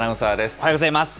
おはようございます。